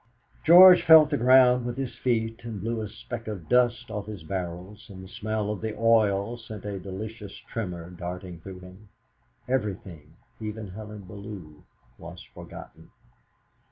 George felt the ground with his feet, and blew a speck of dust off his barrels, and the smell of the oil sent a delicious tremor darting through him. Everything, even Helen Bellew, was forgotten.